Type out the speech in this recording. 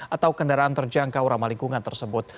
atau kendaraan terjangkau ramah lingkungan tersebut